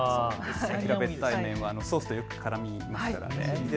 平べったい麺はソースとよくからみますよね。